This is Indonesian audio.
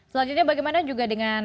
selanjutnya bagaimana juga dengan